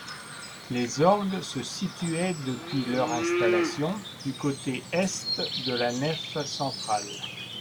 Les orgues se situaient depuis leur installation du côté est de la nef centrale.